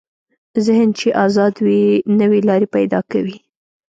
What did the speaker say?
ذهن چې ازاد وي، نوې لارې پیدا کوي.